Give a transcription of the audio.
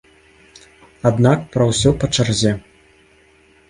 Аднак, пра ўсё па чарзе.